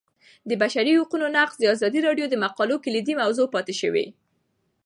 د بشري حقونو نقض د ازادي راډیو د مقالو کلیدي موضوع پاتې شوی.